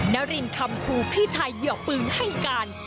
นารินคำชูพี่ชายเหยือกปืนให้การ